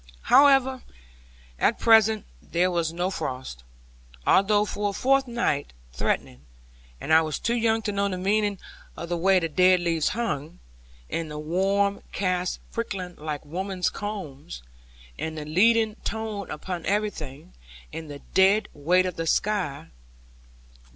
However, at present there was no frost, although for a fortnight threatening; and I was too young to know the meaning of the way the dead leaves hung, and the worm casts prickling like women's combs, and the leaden tone upon everything, and the dead weight of the sky.